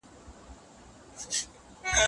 د داستان په څېړنه کي مه تېروځئ.